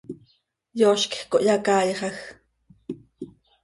Yooz quij cohyacaaixaj.